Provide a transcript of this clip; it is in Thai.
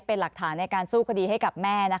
เป็นหลักฐานในการสู้คดีให้กับแม่